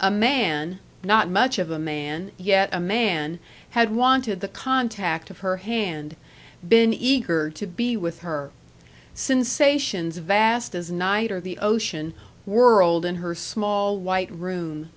A man, not much of a man, yet a man, had wanted the contact of her hand, been eager to be with her. Sensations vast as night or the ocean whirled in her small, white room.